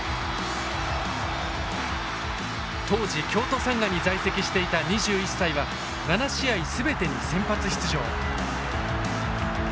当時京都サンガに在籍していた２１歳は７試合全てに先発出場。